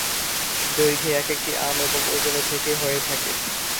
দৈর্ঘ্যে একেকটি আম এবং ওজনে থেকে হয়ে থাকে।